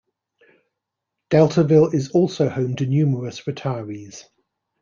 Deltaville is also home to numerous retirees.